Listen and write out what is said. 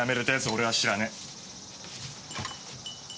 俺は知らねえ。